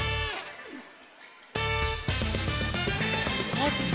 あっちか？